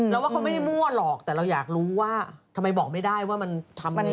แล้วว่าเขาไม่ได้มั่วหรอกแต่เราอยากรู้ว่าทำไมบอกไม่ได้ว่ามันทำยังไง